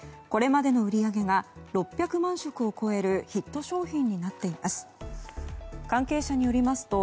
これまでの売り上げが６００万食を超えるヒット商品になっています。